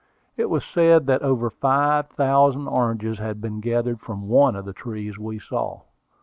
It was said that over five thousand oranges had been gathered from one of the trees we saw.